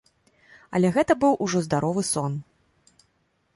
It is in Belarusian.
Але гэта быў ужо здаровы сон.